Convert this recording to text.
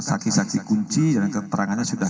saksi saksi kunci dan keterangannya sudah